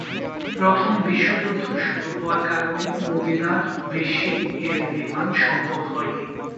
প্রথম বিশ্বযুদ্ধ শুরু হওয়ার কারণে মদিনার বেশি এর নির্মাণ সম্ভব হয়নি।